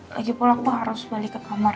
lagipula aku tuh harus balik ke kamar